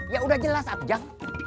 ya udah jelas abjang